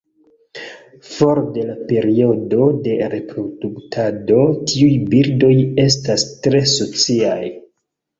For de la periodo de reproduktado, tiuj birdoj estas tre sociaj.